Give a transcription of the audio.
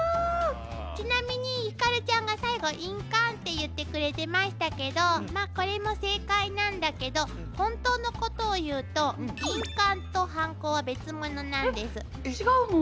ちなみにひかるちゃんが最後印鑑って言ってくれてましたけどまあこれも正解なんだけど本当のことを言うとえっ違うの？